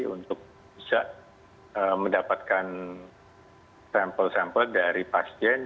untuk bisa mendapatkan sampel sampel dari past gen